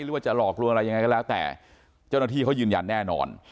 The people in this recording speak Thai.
หรือว่าจะหลอกลวงอะไรยังไงก็แล้วแต่เจ้าหน้าที่เขายืนยันแน่นอน